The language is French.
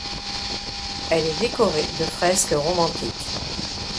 Elle est décorée de fresques romantiques.